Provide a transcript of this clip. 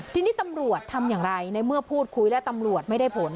ทีนี้ตำรวจทำอย่างไรในเมื่อพูดคุยแล้วตำรวจไม่ได้ผล